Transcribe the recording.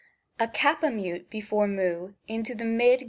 21 A Kappa Mute before // into the mid.